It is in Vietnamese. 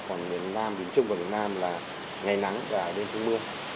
còn miền nam miền trung và miền nam là ngày nắng và đêm không mưa